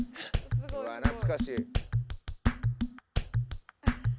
うわぁ懐かしい。